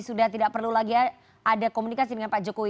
sudah tidak perlu lagi ada komunikasi dengan pak jokowi